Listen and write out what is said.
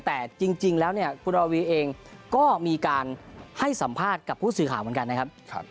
แต่จริงแล้วเนี่ยคุณรอวีเองก็มีการให้สัมภาษณ์กับผู้สื่อข่าวเหมือนกันนะครับ